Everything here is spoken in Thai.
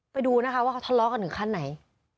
ไปดูนะคะว่าเขาทะเลาะกันถึงขั้นไหน